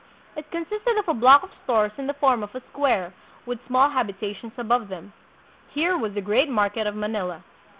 It consisted of a block of stores in the form of a square, with small habitations above them. Here was the great market of Manila.